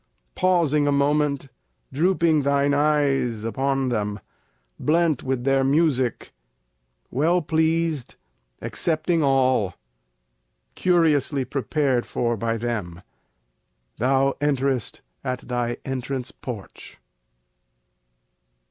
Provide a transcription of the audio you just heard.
pausing a moment, drooping thine eyes upon them, blent with their music, Well pleased, accepting all, curiously prepared for by them, Thou enterest at thy entrance porch.